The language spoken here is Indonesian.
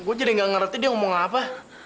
gue jadi gak ngerti dia ngomong apa